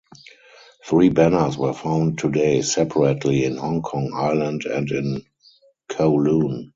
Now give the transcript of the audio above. Three banners were found today separately in Hong Kong Island and in Kowloon.